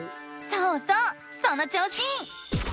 そうそうその調子！